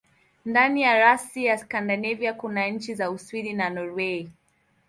Ndani ya rasi ya Skandinavia kuna nchi za Uswidi na Norwei.